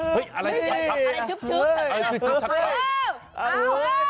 เฮ้ยช้าชัก